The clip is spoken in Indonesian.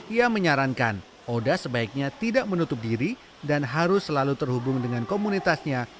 ia menyarankan oda sebaiknya tidak menutup diri dan harus selalu terhubung dengan komunitasnya